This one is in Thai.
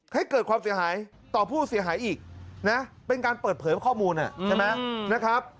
ให้เกิดความเสียหายต่อผู้เสียหายอีกนะเป็นการเปิดเผยข้อมูลใช่ไหมนะครับ